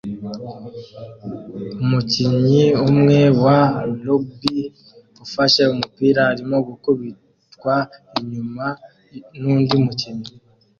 Umukinnyi umwe wa rugby ufashe umupira arimo gukubitwa inyuma nundi mukinnyi